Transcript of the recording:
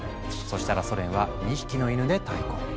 そしたらソ連は２匹のイヌで対抗。